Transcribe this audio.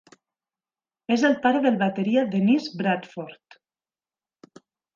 És el pare del bateria Dennis Bradford.